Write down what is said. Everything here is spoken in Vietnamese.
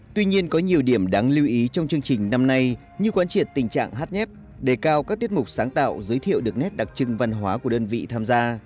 tuy nhiên có nhiều điểm đáng lưu ý trong chương trình năm nay như quán triệt tình trạng hát nhép đề cao các tiết mục sáng tạo giới thiệu được nét đặc trưng văn hóa của đơn vị tham gia